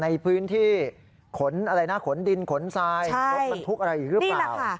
ในพื้นที่ขนดินขนทรายมันทุกข์อะไรหรือเปล่า